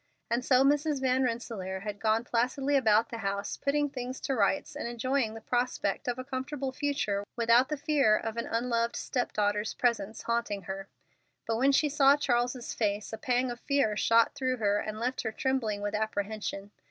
And so Mrs. Van Rensselaer had gone placidly about the house, putting things to rights, and enjoying the prospect of a comfortable future without the fear of an unloved step daughter's presence haunting her. But when she saw Charles's face a pang of fear shot through her and left her trembling with apprehension.